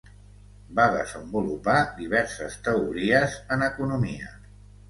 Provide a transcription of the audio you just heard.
Va desenvolupar diverses teories en economia.